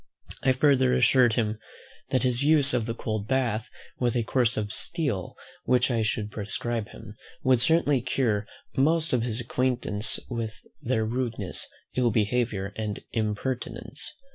I further assured him, "that his use of the cold bath, with a course of STEEL which I should prescribe him, would certainly cure most of his acquaintance of their rudeness, ill behaviour, and impertinence."